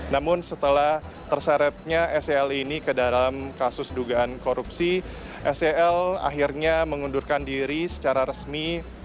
namun setelah terseretnya sel ini ke dalam kasus dugaan korupsi sel akhirnya mengundurkan diri secara resmi